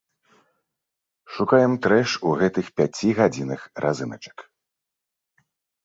Шукаем трэш у гэтых пяці гадзінах разыначак.